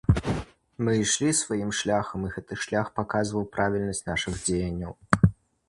Мы ішлі сваім шляхам і гэты шлях паказаў правільнасць нашых дзеянняў.